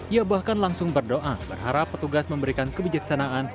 ia bahkan langsung berdoa berharap petugas memberikan kebijaksanaan